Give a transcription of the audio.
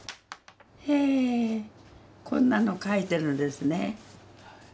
へえこんなの描いてるんですね。